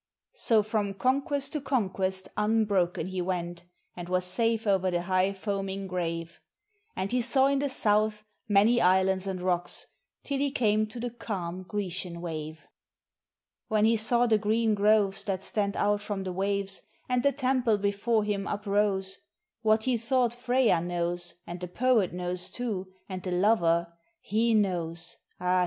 So from conquest to conquest unbroken he went, and was safe o'er the high, foaming grave; And he saw in the south many islands and rocks, till he came to the calm Grecian wave. When he saw the green groves that stand out from the waves, and the temple before him uprose, What he thought Freyja knows, and the poet knows too, and the lover, he knows, ah!